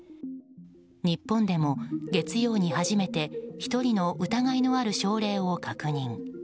日本でも月曜に初めて１人の疑いのある症例を確認。